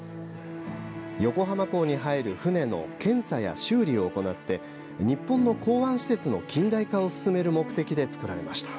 横浜港に入る船の検査や修理を行って日本の港湾施設の近代化を進める目的で造られました。